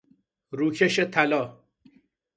روکش طلا